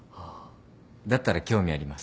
だったら興味あります。